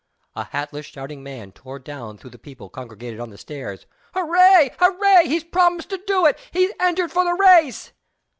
A hatless shouting man tore down through the people congregated on the stairs. "Hooray! Hooray! He's promised to do it! He's entered for the race!"